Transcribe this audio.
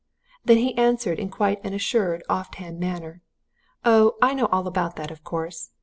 Then he answered in quite an assured, off hand manner, 'Oh, I know all about that, of course!